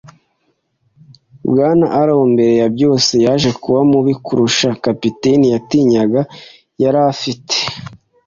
Bwana Arrow, mbere ya byose, yaje kuba mubi kurusha capitaine yatinyaga. Yarafite